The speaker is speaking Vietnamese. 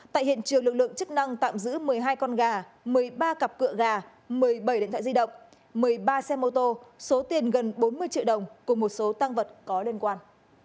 tại hiện trường lực lượng chức năng tạm giữ một mươi hai con gà một mươi ba cặp cựa gà một mươi bảy điện thoại di động một mươi ba xe mô tô số tiền gần bốn mươi triệu đồng cùng một số tăng vật có liên quan